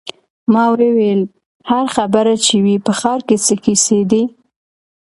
ما وویل: هر خبر چې وي، په ښار کې څه کیسې دي.